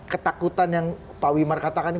ketakutan yang pak wimar katakan ini